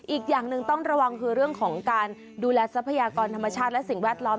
อีกอย่างหนึ่งต้องระวังคือเรื่องของการดูแลทรัพยากรธรรมชาติและสิ่งแวดล้อม